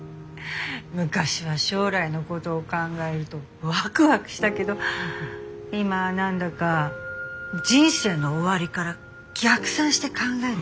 昔は将来のことを考えるとわくわくしたけど今は何だか人生の終わりから逆算して考える癖がついちゃって。